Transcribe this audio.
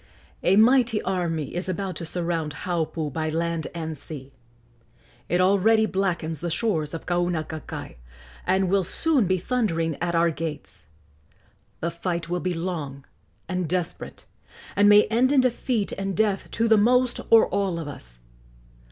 A mighty army is about to surround Haupu by land and sea. It already blackens the shores of Kaunakakai, and will soon be thundering at our gates. The fight will be long and desperate, and may end in defeat and death to the most or all of us.